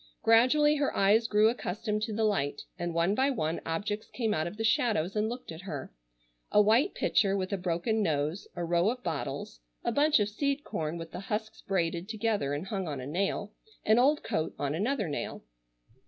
Gradually her eyes grew accustomed to the light and one by one objects came out of the shadows and looked at her. A white pitcher with a broken nose, a row of bottles, a bunch of seed corn with the husks braided together and hung on a nail, an old coat on another nail.